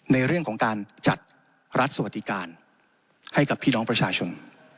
ในเรื่องของการจัดรัฐสวัสดิการให้กับพี่น้องประชาชน